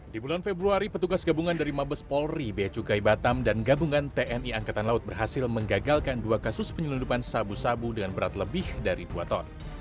di bulan februari petugas gabungan dari mabes polri beacukai batam dan gabungan tni angkatan laut berhasil menggagalkan dua kasus penyelundupan sabu sabu dengan berat lebih dari dua ton